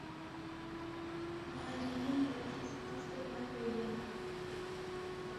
Madrilen idatzi zituen lan gehienak.